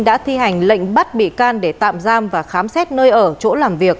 đã thi hành lệnh bắt bị can để tạm giam và khám xét nơi ở chỗ làm việc